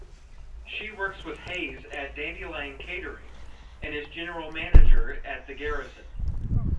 She works with Hayes at Dandelion Catering and is general manager at The Garrison.